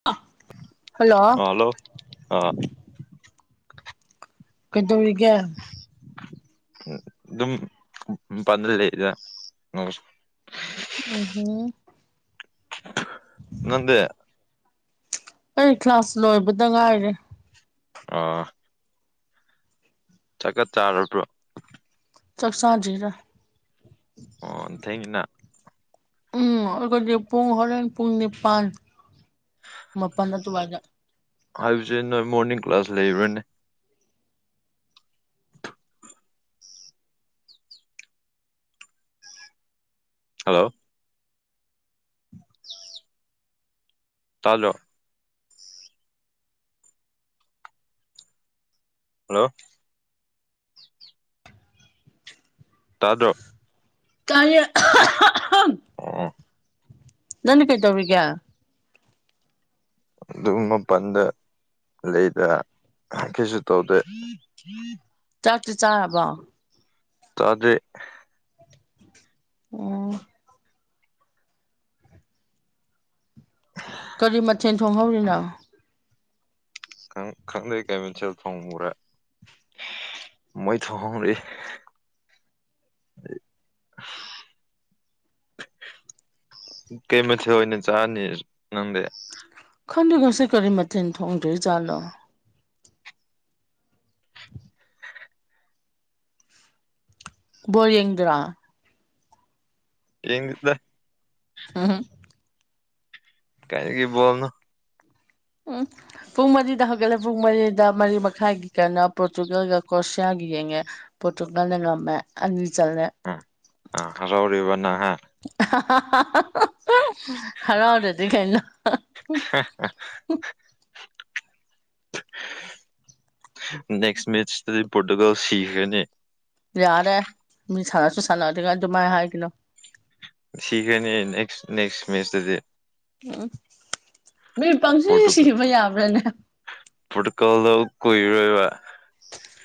ꯑꯐ ꯑ ꯍꯜꯂꯣ ꯑ ꯀꯩꯗꯧꯔꯤꯒ ꯑꯗꯨꯝ ꯄꯥꯟꯗ ꯂꯩꯗ ꯎꯍꯣ ꯅꯗꯦ ꯑꯩ ꯀ꯭ꯂꯥꯁ ꯂꯣꯏꯕꯗ ꯉꯥꯏꯔꯦ ꯑꯥ ꯆꯀꯠ ꯆꯥꯔꯕ꯭ꯔꯣ ꯁ ꯁꯥꯟꯖꯔ ꯑꯣ ꯊꯦꯡꯅꯥ ꯎꯝ ꯑꯩꯈꯣꯏꯗꯤ ꯄꯨꯡ ꯍꯣꯔꯦꯟ ꯄꯨꯡ ꯅꯤꯄꯜ ꯃꯥꯄꯜ ꯑꯗꯨꯋꯥꯏꯗ ꯍꯥꯏꯁꯦ ꯅꯣꯏ ꯃꯣꯔꯅꯤꯡ ꯀ꯭ꯂꯥꯁ ꯂꯩꯕ꯭ꯔꯅꯦ ꯍꯜꯂꯣ [unintelligible] ꯇꯥꯖꯣ ꯍꯜꯂꯣ ꯇꯥꯗ꯭ꯔꯣ ꯀ ꯑ ꯑꯣ ꯅꯟ ꯀꯩ ꯇꯧꯒ ꯑꯗꯨꯝ ꯃꯄꯜꯗ ꯂꯩꯗ ꯀꯩꯁꯨ ꯇꯧꯗꯦ ꯆꯥꯛꯁꯨ ꯆꯥꯔꯕ ꯇꯗ ꯎꯝ ꯀꯔꯤ ꯃꯊꯦꯜ ꯊꯣꯡꯍꯧꯔꯤꯅꯣ ꯪ ꯈꯪꯗꯩ ꯀꯩꯃꯤꯦꯟꯁꯤꯦꯜ ꯊꯣꯡ ꯃꯨꯔꯦ ꯃꯣꯏ ꯊ ꯍ ꯔꯦ [unintelligible] ꯀꯩꯃꯦꯁ ꯑꯣꯏꯣꯏꯅꯤ ꯆꯥꯅꯤ ꯅꯗꯦ ꯈꯟꯗꯦ ꯈꯁꯤꯦ ꯀꯔꯤ ꯃꯊꯦꯜ ꯊꯣꯡꯗꯣꯏꯖꯥꯠꯂꯣ ꯕꯣꯜ ꯌꯦꯗ꯭ꯔꯥ ꯌꯦꯡꯗ ꯍ ꯀꯥꯏꯗꯒꯤꯣꯜꯅꯣ ꯎꯝ ꯄꯨꯡ ꯃꯔꯤꯗ ꯍꯧꯒꯠꯂꯦ ꯄꯨꯡ ꯃꯔꯤꯗ ꯃꯔꯤ ꯃꯈꯥꯏꯒꯤ ꯀꯧꯅꯥ ꯄꯣꯔꯇꯨꯒꯜꯒ ꯀ꯭ꯔꯣꯁꯤꯌꯥꯒ ꯌꯦꯡꯉꯦ ꯄꯣꯔꯇꯨꯒꯜꯅ ꯉꯝꯃꯦ ꯑꯅꯤ ꯆꯜꯂꯦ ꯎ ꯑꯥ ꯍꯔꯥꯎꯔꯤꯕ ꯅꯪ ꯍꯥ [unintelligible] ꯍꯔꯥꯎꯗ꯭ꯔꯗꯤ ꯀꯩꯅꯣ [unintelligible] ꯅꯦꯛꯁ ꯃꯦꯆꯇꯗꯤ ꯄꯣꯔꯇꯨꯒꯜ ꯁꯤꯈꯔꯅꯤ ꯌꯥꯔꯦ ꯃꯤ ꯁꯥꯟꯅꯁꯨ ꯁꯥꯟꯅꯗꯤꯉꯥꯏ ꯑꯗꯨꯃꯥꯏꯅ ꯍꯥꯏꯒꯅꯣ ꯁꯤꯈ꯭ꯔꯅꯤ ꯅꯦꯛꯁ ꯅꯦꯛꯁ ꯃꯦꯆꯇꯗꯤ ꯎꯝ ꯃꯤ ꯄꯪꯁꯤ ꯁꯤꯕ ꯌꯥꯕ꯭ꯔꯥꯅꯦ ꯄꯣꯔꯇꯨꯒꯜ ꯗꯣ ꯀꯨꯏꯔꯣꯏꯕ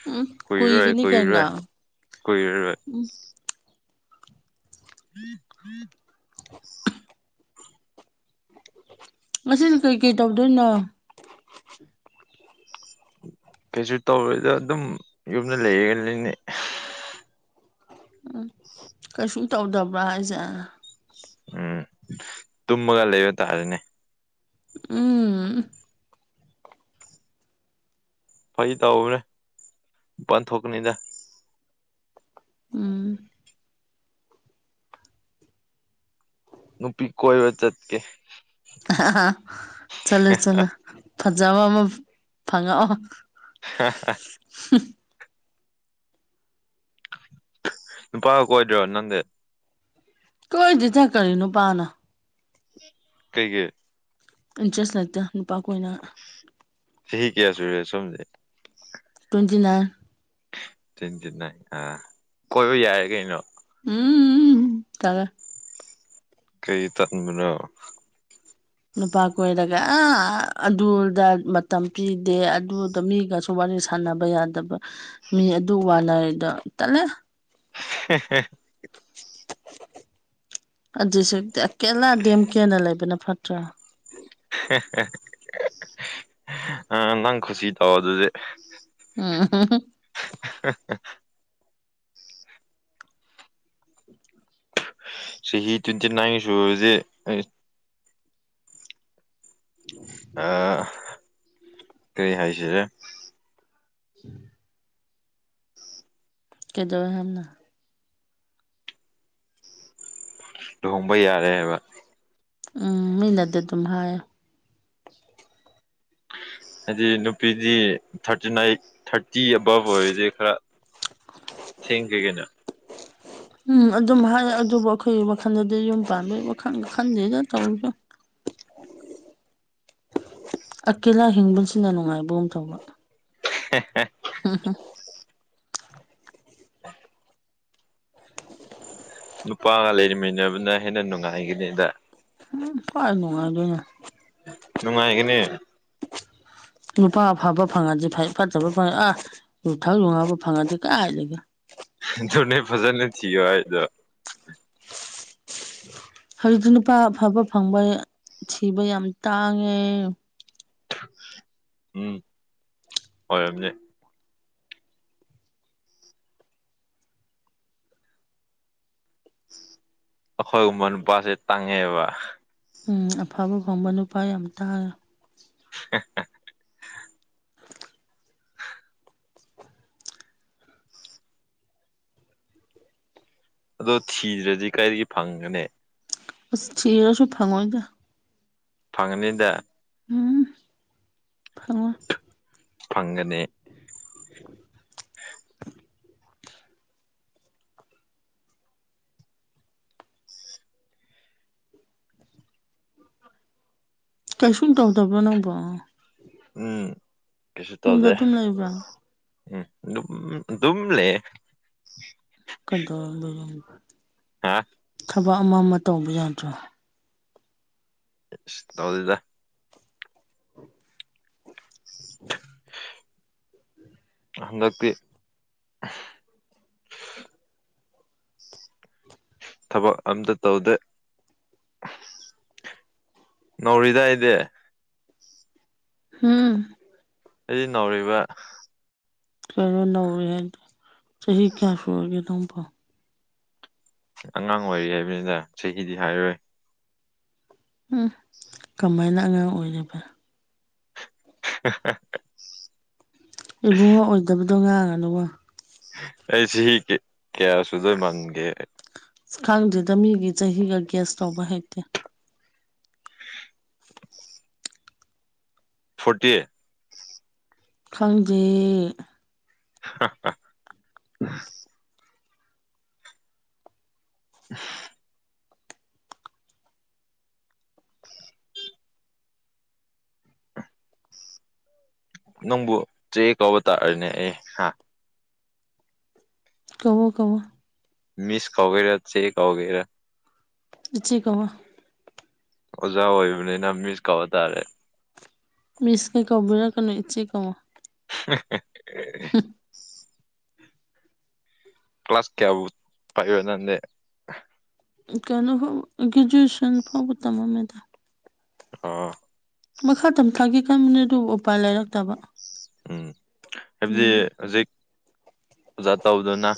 ꯎꯝ ꯀꯨꯏꯔꯣꯏ ꯀꯨꯏꯒꯅꯤ ꯀꯨꯏꯔꯣꯏ ꯀꯏꯔꯔꯣꯏ ꯎꯝ [unintelligible] ꯃꯁꯤꯅ ꯀꯩꯀꯩ ꯇꯧꯗꯣꯏꯅꯣ ꯀꯩꯁꯨ ꯇꯧꯔꯣꯏꯗ ꯑꯗꯨꯝ ꯌꯨꯝꯗ ꯂꯩꯔꯒꯅꯤꯅꯦ ꯎꯝ ꯀꯩꯁꯨ ꯇꯧꯗꯕ꯭ꯔꯥ ꯍꯥꯏꯁꯦ ꯎꯝ ꯇꯨꯝꯃꯒ ꯂꯩꯕ ꯇꯥꯔꯦꯅꯦ ꯎꯝ ꯐꯥꯒꯤ ꯇꯧꯕꯅꯦ ꯃꯄꯥꯟ ꯊꯣꯛꯀꯅꯤꯗ ꯎꯝ ꯅꯨꯄꯤ ꯀꯣꯏꯕ ꯆꯠꯀꯦ [unintelligible] ꯆꯠꯂꯨ ꯆꯠꯂꯨ ꯐꯖꯕ ꯑꯃ ꯐꯪꯉꯛꯑꯣ [unintelligible] ꯅꯨꯄꯥ ꯀꯣꯏꯗ꯭ꯔꯣ ꯅꯪꯗꯤ ꯀꯣꯏꯗꯦꯗ ꯀꯔꯤ ꯅꯨꯄꯥꯅꯣ ꯀꯩꯒꯤ ꯏꯟꯇꯔꯦꯖ ꯂꯩꯇꯦ ꯅꯨꯄꯥ ꯀꯣꯏꯅꯤꯉꯥꯏ ꯆꯁꯤ ꯀꯌꯥꯁꯨꯔꯦ ꯁꯣꯝꯖꯦ ꯇ꯭ꯋꯦꯟꯇꯤ ꯅꯥꯏꯟ [unintelligible] ꯑꯥ ꯀꯣꯏꯕ ꯌꯥꯔꯦ ꯀꯩꯅꯣ [unintelligible] ꯇꯟꯂꯦ ꯀꯩꯒꯤ ꯇꯟꯕꯅꯣ ꯅꯨꯄꯥ ꯀꯣꯏꯔꯒ ꯑ ꯑꯗꯨꯗ ꯃꯇꯝ ꯄꯤꯗꯦ ꯑꯗꯨꯗ ꯃꯤꯒꯁꯨ ꯁꯨ ꯋꯥꯔꯤ ꯁꯥꯟꯅꯕ ꯌꯥꯗꯕ ꯃꯤ ꯑꯗꯨ ꯋꯥꯅꯗꯣ ꯇꯟꯂꯦ [unintelligible] ꯑꯗꯨꯁꯨ ꯑꯀꯦꯂꯥ ꯗꯦꯝ ꯀꯦꯌꯔꯅ ꯂꯩꯕꯅ ꯐꯠꯇ꯭ꯔꯥ ꯑ ꯅꯪ ꯈꯨꯁꯤ ꯇꯧ ꯑꯗꯨꯗꯤ ꯎꯝ [unintelligible] [unintelligible] ꯆꯍꯤ ꯇ꯭ꯋꯦꯟꯇꯤ ꯅꯥꯏꯟꯒ ꯁꯨꯔꯗꯤ ꯑꯩ ꯑꯥ ꯀꯩ ꯍꯥꯏꯁꯤꯒꯦ [inaudible] ꯀꯩꯗꯧꯔꯦ ꯍꯥꯏꯕꯅꯣ ꯂꯨꯍꯣꯡꯕ ꯌꯥꯔꯦ ꯍꯥꯏꯕ ꯎꯝ ꯃꯤꯅꯥꯗꯤ ꯗꯨꯝ ꯍꯥꯏ ꯍꯥꯏꯗꯤ ꯅꯨꯄꯤꯗꯤ ꯊꯥꯔꯇꯤ ꯑꯩ꯭ꯏꯠ ꯊꯥꯔꯇꯤ ꯑꯕꯞ ꯑꯣꯏꯔꯗꯤ ꯈꯔ ꯊꯦꯡꯗꯦ ꯀꯩꯅꯣ ꯎꯝ ꯑꯗꯨꯝ ꯍꯥꯏ ꯑꯗꯨꯕꯨ ꯑꯩꯈꯣꯏꯒꯤ ꯋꯥꯈꯜꯗꯗꯤ ꯌꯨꯝ ꯄꯥꯟꯕꯥꯩ ꯋꯥꯈꯜꯒ ꯈꯟꯗꯦꯗ ꯇꯧꯔꯤꯁꯦ ꯑꯀꯦꯂꯥ ꯍꯤꯡꯕꯁꯤꯅ ꯅꯨꯡꯉꯥꯏꯕꯒꯨꯝ ꯇꯧꯕ ꯍꯦ ꯍꯦ ꯍꯨꯝ-ꯍꯨꯝ ꯅꯨꯄꯥꯒ ꯂꯩꯔꯤꯃꯤꯟꯅꯕꯅ ꯍꯦꯟꯅ ꯅꯨꯡꯉꯥꯏꯒꯅꯤꯗ ꯀꯥꯏ ꯅꯨꯡꯉꯥꯏꯗꯣꯏꯅꯣ ꯅꯨꯡꯉꯥꯏꯒꯅꯦ [inaudible] ꯅꯨꯄꯥ ꯑꯐꯕ ꯐꯪꯉꯥꯗꯤ ꯐꯩꯪ ꯐꯠꯇꯕ ꯐꯪꯉꯥꯗꯤ ꯑꯥ ꯌꯨꯊꯛ ꯌꯨꯉꯥꯎꯕ ꯐꯪꯉꯗꯤ ꯀꯥꯏꯗꯒꯤ ꯑꯗꯨꯅꯦ ꯐꯖꯅ ꯊꯤꯌꯣ ꯍꯥꯏꯗꯣ ꯍꯧꯖꯤꯛꯇꯤ ꯅꯨꯄꯥ ꯑꯐꯕ ꯐꯪꯕ ꯊꯤꯕ ꯌꯥꯝ ꯇꯥꯡꯉꯦ ꯎꯝ ꯑꯣꯏꯔꯝꯅꯤ ꯑꯩꯈꯣꯏꯒꯨꯝꯕ ꯅꯨꯄꯥꯁꯦ ꯇꯥꯡꯉꯦꯕ ꯎꯝ ꯑꯐꯕ ꯀꯧꯕ ꯅꯨꯄꯥ ꯌꯥꯝ ꯇꯥꯡꯉꯦ ꯍꯦ-ꯍꯦ ꯑꯗꯨ ꯊꯤꯗ꯭ꯔꯥꯗꯤ ꯀꯥꯏꯗꯒꯤ ꯐꯪꯒꯅꯤ ꯑꯁ ꯊꯤꯔꯥꯁꯨ ꯐꯪꯉꯣꯏꯗ ꯐꯪꯉꯅꯤꯗ ꯎꯝ ꯐꯪꯉꯣꯏ ꯐꯪꯒꯅꯤ ꯀꯩꯁꯨꯝ ꯇꯧꯗꯕꯔꯣ ꯅꯪꯕꯣ ꯎꯝ ꯀꯩꯁꯨ ꯌꯨꯝꯗ ꯇꯧꯗꯦ ꯑꯗꯨꯝ ꯂꯩꯕꯔꯣ ꯎꯝ ꯂꯨꯝ ꯑꯗꯨꯝ ꯂꯩꯌꯦ [unintelligible] ꯍꯥ ꯊꯕꯛ ꯑꯃ-ꯑꯃ ꯇꯧꯕ ꯌꯥꯗ꯭ꯔꯣ ꯁ ꯇꯥꯎꯗꯦꯗ [inaudible] ꯍꯟꯗꯛꯇꯤ ꯎꯝ ꯊꯕꯛ ꯑꯝꯇ ꯇꯧꯗꯦ ꯅꯧꯔꯤꯗꯥ ꯑꯩꯗꯤ ꯍꯨꯝ ꯑꯩ ꯅꯧꯔꯤꯕ ꯀꯩꯅꫭ ꯅꯧꯔꯦ ꯍꯥꯏꯗꯤ ꯆꯍꯤ ꯀꯌꯥ ꯁꯔꯒꯦ ꯑꯗꫭꯝꯕꫭ ꯑꯉꯥꯡ ꯑꯣꯏꯔꯤ ꯍꯥꯏꯕꯅꯤꯗ ꯆꯍꯤꯗꯤ ꯍꯥꯏꯔꯣꯏ ꯎꯝ ꯀꯃꯥꯏꯅ ꯑꯉꯥꯡ ꯑꯣꯏꯔꯤꯕ ꯍꯦ-ꯍꯦ-ꯍꯦ ꯏꯕꯨꯡꯉꯣ ꯑꯣꯏꯗꯕꯗꯣ ꯉꯥꯡꯉꯅꯨꯕ ꯑꯩ ꯆꯍꯤ ꯀꯌꯥ ꯁꯨꯗꫭꯏ ꯃꯥꯟꯒꯦ ꯑꯁ ꯈꯪꯗꯦꯗ ꯃꯤꯒꯤ ꯆꯍꯤꯒ ꯒꯦꯁ ꯇꯧꯕ ꯍꯩꯇꯦ ꯐꯣꯔꯇꯤ ꯈꯪꯗꯦ ꯍ ꯍ ꯎ [inaudible] ꯅꯪꯕꯨ ꯆꯦ ꯀꯧꯕ ꯇꯥꯔꯦꯅꯦ ꯑꯦ ꯍꯥ ꯀꯧꯋꯣ ꯀꯧꯋꯣ ꯃꯤꯁ ꯀꯧꯒꯦꯔꯥ ꯆꯦ ꯀꯧꯒꯦꯔꯥ ꯏꯆꯦ ꯀꯧꯋꯣ ꯑꯣꯖꯥ ꯑꯣꯏꯕꯅꯤꯅ ꯃꯤꯁ ꯀꯧ ꯇꯥꯔꯦ ꯃꯤꯁ ꯇꯤ ꯀꯧꯕꯤꯔꯛꯀꯅꯣ ꯏꯆꯦ ꯀꯧꯋꯣ [unintelligible] [inaudible] ꯀ꯭ꯂꯥꯁ ꯀꯌꯥꯕꯨ ꯄꯥꯏꯕ ꯅꯪꯗꯤ ꯀꯩꯅꯣ ꯐꯥꯎ ꯒ꯭ꯔꯦꯖꯨꯌꯦꯁꯟ ꯐꯥꯎꯕ ꯇꯝꯃꯝꯃꯦꯗꯥ ꯑꯣ ꯃꯈꯥ ꯇꯝꯊꯥꯒꯤ ꯈꯟꯕꯅꯦ ꯑꯗꯨꯕꯨ ꯎꯄꯥꯏ ꯂꯩꯔꯛꯇꯕ ꯎꯝ ꯍꯥꯏꯕꯗꯤ ꯑꯗꯒꯤ ꯍꯧꯖꯤꯛ ꯑꯣꯖꯥ ꯇꯧꯗꯨꯅ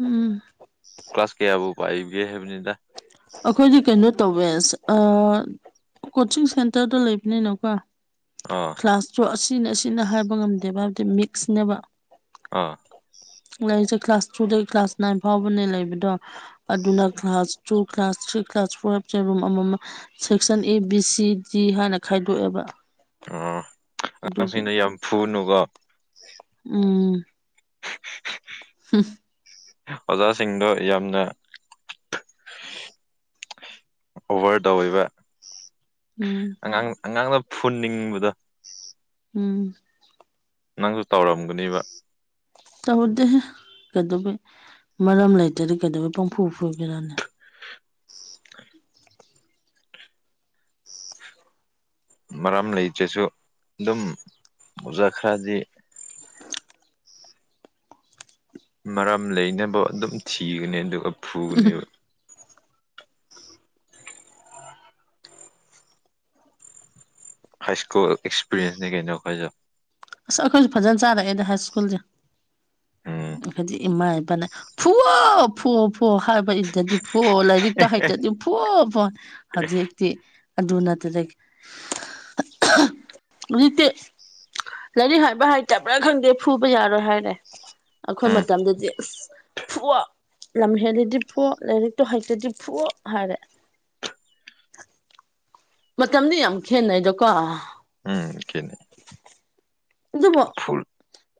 ꯎꯝ ꯀ꯭ꯂꯥꯁ ꯀꯌꯥꯕꯨ ꯄꯥꯏꯕꯤꯒꯦ ꯍꯥꯏꯕꯅꯤꯗ ꯑꯈꯣꯏꯗꯤ ꯀꯩꯅꯣ ꯇꯧꯋꯦ ꯑꯁ ꯑꯥ ꯀꯣꯆꯤꯡ ꯁꯦꯟꯇꯔꯗ ꯂꯩꯕꯅꯤꯅꯀꯣ ꯑꯥ ꯀ꯭ꯂꯥꯁꯇꯣ ꯑꯁꯤꯅ-ꯑꯁꯤꯅ ꯍꯥꯏꯕ ꯉꯝꯗꯦꯕ ꯍꯥꯏꯕꯗꯤ ꯃꯤꯛꯁꯅꯦꯕ ꯑꯥ ꯂꯩꯔꯤꯁꯦ ꯀ꯭ꯂꯥꯁ ꯇꯨꯗꯒꯤ ꯀ꯭ꯂꯥꯁ ꯅꯥꯏꯟ ꯐꯥꯎꯕꯅꯦ ꯂꯩꯕꯗꯣ ꯑꯗꯨꯅ class two class three class four ꯆꯦ ꯔꯨꯝ ꯑꯃ-ꯃꯝ section A B C D ꯍꯥꯏꯅ ꯈꯥꯏꯗꯣꯛꯑꯦꯕ ꯑꯣ ꯑꯗꯨꯒꯤ ꯑꯉꯥꯡꯁꯤꯡꯗ ꯌꯥꯝ ꯐꯨꯅꯨꯀꯣ ꯎꯝ [inaudible] ꯍꯝ ꯑꯣꯖꯥꯁꯤꯡꯗꯣ ꯌꯥꯝꯅ ꯑꯣꯚꯔ ꯇꯧꯏꯕ ꯎꯝ ꯑꯉꯥꯡ ꯑꯉꯥꯡꯅ ꯐꯨꯅꯤꯡꯕꯗ ꯎꯝ ꯅꯪꯁꯨ ꯇꯧꯔꯝꯒꯅꯤꯕ ꯇꯧꯗꯦꯍꯦ ꯀꯩꯗꯧꯕꯩ ꯃꯔꯝ ꯂꯩꯇꯗꯤ ꯀꯩꯗꯧꯕꯩ ꯄꯪꯐꯨ ꯐꯨꯒꯦꯔꯥꯅꯦ ꯃꯔꯝ ꯂꯩꯇ꯭ꯔꯁꯨ ꯑꯗꯨꯝ ꯑꯣꯖꯥ ꯈꯔꯗꯤ ꯃꯔꯝ ꯂꯩꯅꯕ ꯑꯗꯨꯝ ꯊꯤꯒꯅꯤ ꯑꯗꯨꯒ ꯐꯨꯒꯥꯅꯤꯕ ꯍꯥꯏ ꯁ꯭ꯀꯨꯜ ꯑꯦꯛꯁꯄꯤꯔꯤꯌꯦꯟꯁꯅꯤ ꯀꯩꯅꯣ ꯑꯩꯈꯣꯏꯁꯨ ꯑꯁ ꯑꯩꯈꯣꯏꯁꯨ ꯐꯖꯅ ꯆꯥꯔꯛꯑꯦꯗ ꯍꯥꯏ ꯁ꯭ꯀꯨꯜꯁꯦ ꯎꯝ ꯍꯥꯏꯗꯤ ꯏꯃꯥ ꯏꯄꯥꯅ ꯐꯨꯋꯣ-ꯐꯨꯋꯣ-ꯐꯨꯋꯣ ꯍꯥꯏꯕ ꯏꯟꯗ꯭ꯔꯗꯤ ꯐꯨꯋꯣ ꯂꯥꯏꯔꯤꯠꯇ ꯍꯩꯇ꯭ꯔꯤꯗꯤ ꯐꯨꯋꯣ- ꯐꯨꯋꯣ ꯍꯧꯖꯤꯛ ꯇꯤ ꯑꯗꯨ ꯅꯠꯇ ꯂꯩ ꯍꯨꯖꯤꯛꯇꯤ ꯂꯥꯏꯔꯤꯛ ꯍꯩꯏꯕ ꯍꯩꯇꯕ꯭ꯔꯥ ꯈꯪꯗꯦ ꯐꯨꯕ ꯌꯥꯔꯣꯏ ꯍꯥꯏꯔꯦ ꯑꯩꯈꯣꯏ ꯎꯝ ꯃꯇꯝꯗꯗꯤ ꯑꯁ ꯐꯨꯋꯣ ꯂꯝ ꯍꯦꯜꯂꯗꯤ ꯐꯨꯋꯣ ꯂꯥꯏꯔꯤꯛꯇꯣ ꯍꯩꯇ꯭ꯔꯗꯤ ꯐꯨꯋꯣ ꯍꯥꯏꯔꯦ ꯃꯇꯝꯗꯤ ꯌꯥꯝ ꯈꯦꯠꯅꯩꯗꯀꯣ ꯎꯝ ꯈꯦꯅꯩ ꯑꯗꯨꯕꯨ ꯐꯨꯜ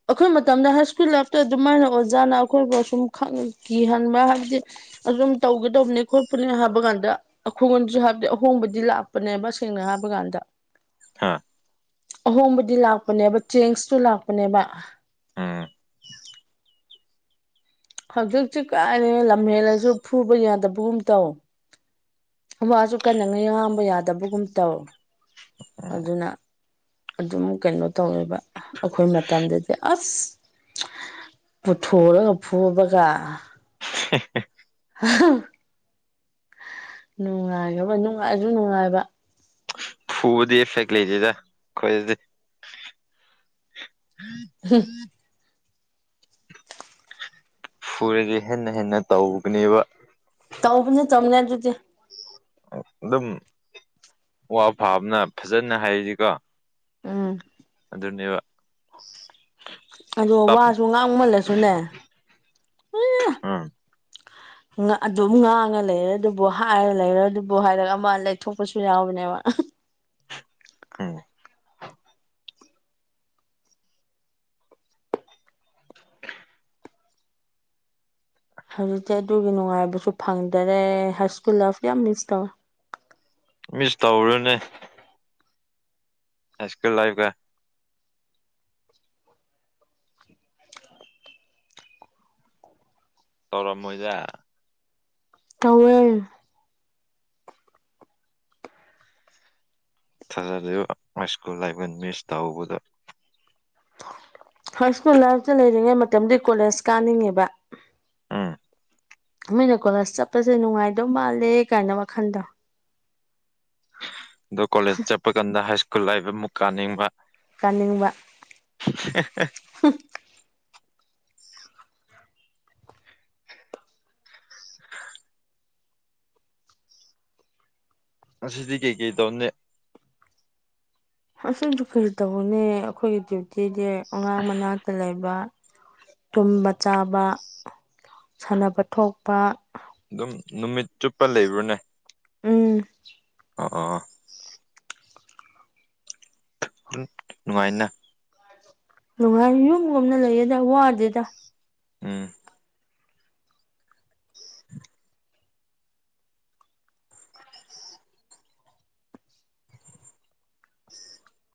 ꯑꯩꯈꯣꯏ ꯃꯇꯝꯗ ꯍꯥꯏ ꯁ꯭ꯀꯨꯜ ꯂꯥꯏꯞꯇ ꯑꯗꯨꯃꯥꯏꯅ ꯑꯣꯖꯥꯅ ꯑꯩꯈꯣꯏꯕꯨ ꯑꯁꯨꯝ ꯈꯪ ꯀꯤꯍꯟꯕ ꯍꯥꯏꯕꯗꯤ ꯑꯗꯨꯝ ꯇꯧꯒꯗꯧꯕꯅꯦ ꯈꯣꯠꯄꯅꯦ ꯍꯥꯏꯕ ꯀꯥꯟꯗ ꯑꯈꯣꯉꯣꯟꯗꯁꯨ ꯍꯥꯏꯕꯗꯤ ꯑꯍꯣꯡꯕꯗꯤ ꯂꯥꯛꯄꯅꯦꯕ ꯁꯦꯡꯅ ꯍꯥꯏꯕ ꯀꯥꯟꯗ ꯍꯥꯥ ꯑꯍꯣꯡꯕꯗꯤ ꯂꯥꯛꯄꯅꯦꯕ ꯆꯦꯡꯁꯇꯨ ꯂꯥꯛꯄꯅꯦꯕ ꯎꯝ ꯍꯧꯖꯤꯛꯇꯤ ꯀꯥꯏꯗꯒꯤ ꯂꯝꯍꯦꯜꯂꯁꯨ ꯐꯨꯕ ꯌꯥꯗꯕꯒꯨꯝ ꯇꯧ ꯋꯥꯁꯨ ꯀꯟꯅ ꯉꯩ ꯉꯥꯡꯕ ꯌꯥꯗꯕꯒꯨꯝ ꯇꯧ ꯎꯝ ꯑꯗꯨꯅ ꯑꯗꯨꯝ ꯀꯩꯅꯣ ꯇꯧꯋꯦꯕ ꯑꯩꯈꯣꯏ ꯃꯇꯝꯗꯗꯤ ꯑꯁ ꯄꯨꯊꯣꯔꯒ ꯐꯨꯕꯒ ꯍꯦ ꯍꯦ ꯑꯍ ꯅꯨꯡꯉꯥꯏꯒꯕ ꯅꯨꯡꯉꯥꯏꯁꯨ ꯅꯨꯡꯉꯥꯏꯕ ꯐꯨꯕꯗꯤ ꯑꯦꯐꯦꯛꯦ ꯂꯩꯗꯦꯗ ꯈꯣꯏꯗꯗꯤ ꯎꯝ ꯐꯨꯔꯗꯤ ꯍꯦꯟꯅ ꯍꯦꯟꯅ ꯇꯧꯒꯅꯦꯕ ꯇꯧꯕꯅ ꯆꯧꯅꯦ ꯑꯗꯨꯗꯤ ꯑꯗꯨꯝ ꯋꯥ ꯐꯥꯕꯅ ꯐꯖꯅ ꯍꯥꯏꯔꯤꯁꯤꯀꯣ ꯎꯝ ꯅꯤꯕ ꯑꯗꯣ ꯋꯥꯁꯨ ꯉꯥꯡꯃꯜꯂꯁꯨꯅꯦ ꯑꯝ [inaudible] ꯑꯗꯨꯝ ꯉꯥꯡꯉ ꯂꯩꯔꯦ ꯑꯗꯨꯕꯨ ꯍꯥꯏꯔ ꯂꯩꯔ ꯑꯗꯨꯕꯨ ꯍꯥꯏꯔꯛꯒ ꯑꯃ ꯂꯩꯊꯣꯛꯄꯁꯨ ꯌꯥꯎꯕꯅꯦꯕ ꯎꯝ ꯍꯧꯖꯤꯛꯇꯤ ꯑꯗꯨꯒꯤ ꯅꯨꯡꯉꯥꯏꯕꯁꯨ ꯐꯪꯗꯔꯦ ꯍꯥꯏ ꯁ꯭ꯀꯨꯜ ꯂꯥꯏꯐ ꯌꯥꯝ ꯃꯤꯁ ꯇꯧꯋꯦ ꯃꯤꯁ ꯇꯧꯔꯅꯦ ꯁꯀꯨꯜ ꯂꯥꯏꯐ ꯀ ꯇꯧꯔꯝꯃꯣꯏꯗ ꯇꯧꯋꯦ ꯊꯥꯖꯗ꯭ꯔꯤꯔꯣ ꯃꯥꯏ ꯁ꯭ꯀꯨꯜ ꯂꯥꯏꯐ ꯃꯤꯁ ꯇꯧꯕꯗ ꯍ ꯁꯅꯨ ꯂꯥꯏꯐꯇ ꯂꯩꯔꯤꯉꯩ ꯃꯇꯝꯗꯤ ꯀꯣꯂꯦꯖ ꯀꯥꯅꯤꯡꯉꯦꯕ ꯎꯝ ꯃꯤꯅ ꯀꯣꯂꯦꯖ ꯆꯠꯄꯁꯦ ꯅꯨꯡꯉꯥꯏꯗꯧ ꯃꯥꯜꯂꯦ ꯀꯥꯏꯅ ꯋꯥꯈꯟꯗꯣ ꯑꯗꯣ ꯀꯣꯂꯦꯖ ꯆꯠꯄ ꯀꯥꯟꯗ ꯍꯥꯏ ꯁ꯭ꯀꯨꯜ ꯂꯥꯛꯕ ꯑꯃꯨꯛ ꯀꯥꯅꯤꯡꯕ ꯀꯥꯅꯤꯡꯕ ꯍꯦ ꯍꯦ [inaudible] ꯑꯁꯤꯗꯤ ꯀꯩ ꯀꯩ ꯇꯧꯅꯦ ꯑꯁꯤꯁꯨ ꯀꯔꯤ ꯇꯧꯒꯅꯤ ꯑꯩꯈꯣꯏꯒꯤ ꯗ꯭ꯌꯨꯇꯤꯗꯤ ꯑꯉꯥꯡ ꯃꯅꯥꯛꯇ ꯂꯩꯕ ꯇꯨꯝꯕ ꯆꯥꯕ ꯁꯥꯟꯅꯕ ꯊꯣꯛꯄ ꯑꯗꯨꯝ ꯅꯨꯃꯤꯠ ꯆꯨꯞꯄ ꯂꯩꯕ꯭ꯔꯥꯅꯦ ꯎꯝ ꯑꯥ ꯑꯥ ꯎ ꯅꯨꯡꯉꯥꯏꯅ ꯅꯨꯡꯉꯥꯏ ꯌꯨꯝꯒꯨꯝꯅ ꯂꯩꯌꯦꯗ ꯋꯥꯗꯦꯗ ꯎꯝ